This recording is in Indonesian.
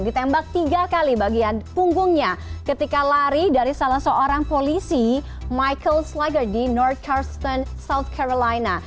ditembak tiga kali bagian punggungnya ketika lari dari salah seorang polisi michael slagar di nortcarston south carolina